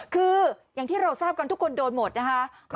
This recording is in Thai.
คืออย่างที่เราทราบกันทุกคนโดนหมดนะคะ